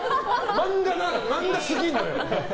漫画すぎるのよ。